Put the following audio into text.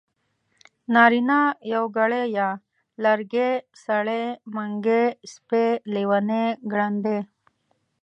نارينه يوګړی ی لرګی سړی منګی سپی لېوانی ګړندی